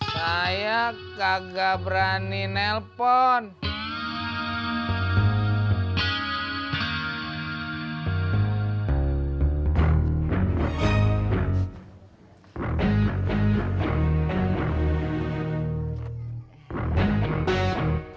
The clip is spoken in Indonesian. kau tak punya nomor telepon dia